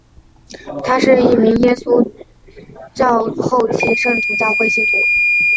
他是一名耶稣基督后期圣徒教会信徒。